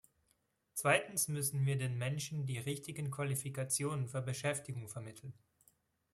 Zweitens müssen wir den Menschen die richtigen Qualifikationen für Beschäftigung vermitteln.